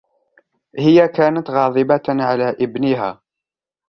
هىَ كانت غاضبة علىَ إبنها.